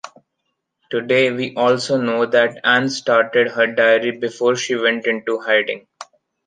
Today we also know that Anne started her diary before she went into hiding.